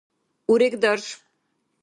урегдарш